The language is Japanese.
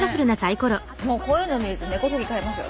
もうこういうの見ると根こそぎ買いますよ